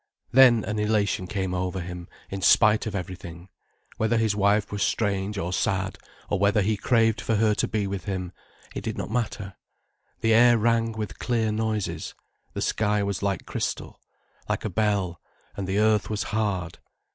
Then an elation came over him in spite of everything, whether his wife were strange or sad, or whether he craved for her to be with him, it did not matter, the air rang with clear noises, the sky was like crystal, like a bell, and the earth was hard.